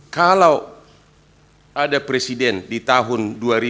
kalau ada presiden di tahun dua ribu dua puluh